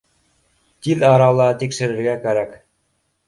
— Тиҙ арала тикшерергә кәрәк